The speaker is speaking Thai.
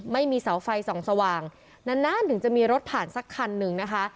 ไม่มีเสาไฟส่องสว่างนานถึงจะมีรถผ่านสักคันหนึ่งนะคะ